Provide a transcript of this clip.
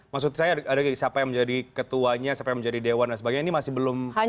maksud saya ada siapa yang menjadi ketuanya siapa yang menjadi dewan dan sebagainya ini masih belum